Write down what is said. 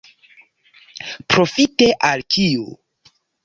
Profite al kiu?